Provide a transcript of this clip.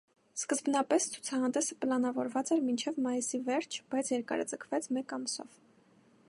Սկզբնապես, ցուցահանդեսը պլանավորված էր մինչև մայիսի վերջ, բայց երկարաձգվեց մեկ ամսով։